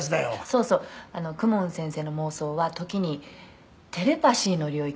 「そうそう公文先生の妄想は時にテレパシーの領域まで？」